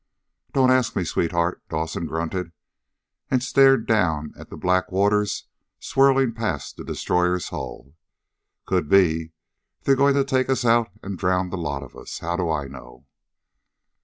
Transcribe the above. "Don't ask me, sweetheart," Dawson grunted, and stared down at the black waters swirling past the destroyer's hull. "Could be they're going to take us out and drown the lot of us. How do I know?"